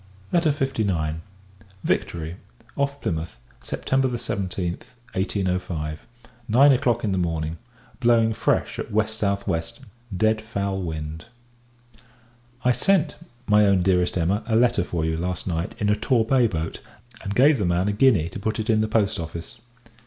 _ LETTER LIX. Victory, off Plymouth, September 17th, [1805.] Nine o'Clock in the Morning. Blowing fresh at W.S.W. dead foul wind. I sent, my own Dearest Emma, a letter for you, last night, in a Torbay boat, and gave the man a guinea to put it in the Post Office.